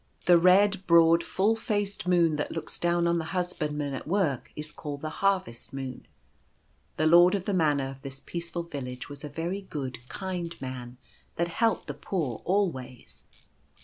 The red, broad, full faced moon that looks down on the husbandmen at work is called the Harvest Moon. The Lord of the Manor of this peaceful village was a very good, kind man, that helped the poor always.